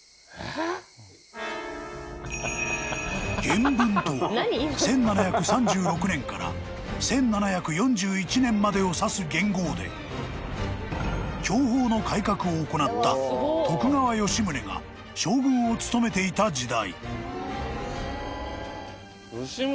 ［元文とは１７３６年から１７４１年までを指す元号で享保の改革を行った徳川吉宗が将軍を務めていた時代］